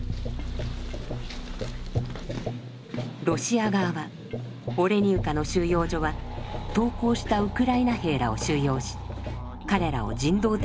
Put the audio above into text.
ロシア側はオレニウカの収容所は投降したウクライナ兵らを収容し彼らを人道的に扱っていると主張。